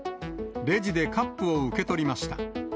レジでカップを受け取りました。